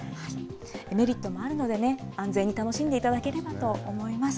メリットもあるので、安全に楽しんでいただければと思います。